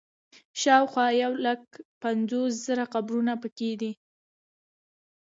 شاوخوا یو لک پنځوس زره قبرونه په کې دي.